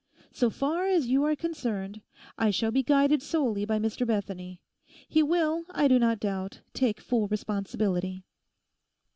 So far as you are concerned, I shall be guided solely by Mr Bethany. He will, I do not doubt, take full responsibility.